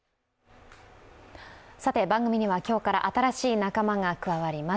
番組には今日から新しい仲間が加わります。